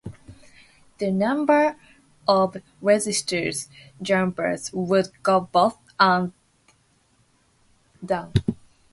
The number of registered jumpers would go both up and down.